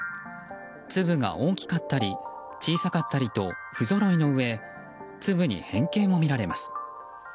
粒が大きかったり小さかったりとふぞろいのうえ粒に変形も見られます。